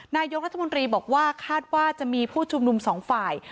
นายกรัฐมนตรีบอกว่าคาดว่าจะมีผู้ชุมนุมสองฝ่าย